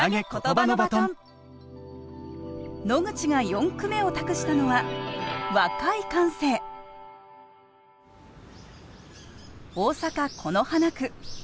野口が４句目を託したのは大阪・此花区。